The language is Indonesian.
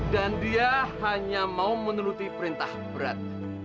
dan dia hanya mau menuruti perintah berat